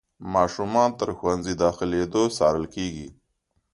ماشومان تر ښوونځي داخلېدو څارل کېږي.